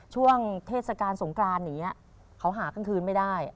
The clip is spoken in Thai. ช่วงเทศกาลสงกรานอย่างนี้เขาหากลางคืนไม่ได้